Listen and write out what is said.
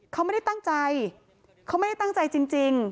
เขาไม่ได้ตั้งใจจริง